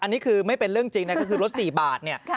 อันนี้คือไม่เป็นเรื่องจริงนะก็คือลด๔บาทเนี่ย